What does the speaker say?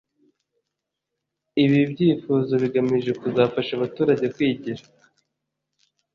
Ibi byifuzo bigamije kuzafasha abaturage kwigira